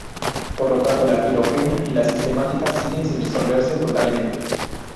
Por lo tanto la filogenia y la sistemática siguen sin resolverse totalmente.